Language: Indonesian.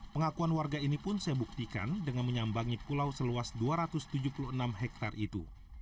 pengakuan warga ini pun saya buktikan dengan menyambangi pulau seluas dua ratus tujuh puluh enam hektare itu